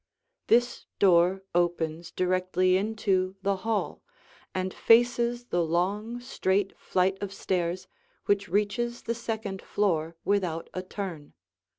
[Illustration: The Hall] This door opens directly into the hall and faces the long, straight flight of stairs which reaches the second floor without a turn.